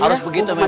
harus begitu memang